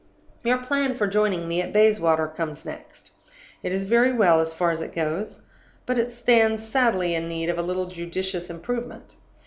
"Your plan for joining me at Bayswater comes next. It is very well as far as it goes; but it stands sadly in need of a little judicious improvement.